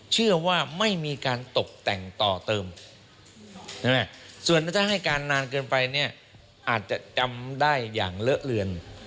เชื่อว่าไม่มีการตกแต่งต่อเติมส่วนถ้าให้การนานเกินไปเนี่ยอาจจะจำได้อย่างเลอะเลือน